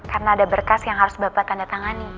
karena ada berkas yang harus bapak tanda tangani